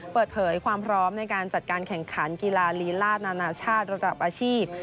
เปิดเผยความพร้อมในการจัดการแข่งขันกีฬาลีลาดนานาชาติระดับอาชีพ